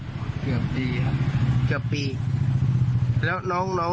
รู้หรือไม่รู้จักกันหลังนั้นครับ